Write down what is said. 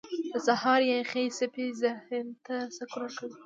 • د سهار یخې څپې ذهن ته سکون ورکوي.